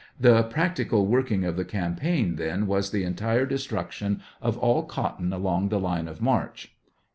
The practical working of the campaign, then, was the entire destruction of all cotton along the line of march